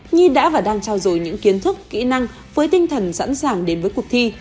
nhi đã và đang trao dồi những kiến thức kỹ năng với tinh thần sẵn sàng đến với cuộc thi